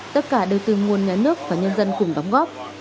tất cả đều từ nguồn nhà nước và nhân dân cùng đóng góp